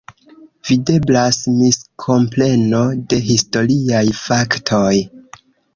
Videblas miskompreno de historiaj faktoj.